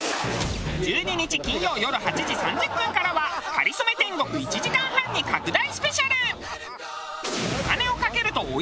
１２日金曜よる８時３０分からは『かりそめ天国』１時間半に拡大スペシャル！